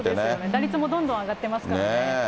打率もどんどん上がってますからね。